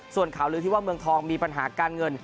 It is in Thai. ส่วนข่าวลือที่ว่าเมืองทองมีปัญหาการเงิน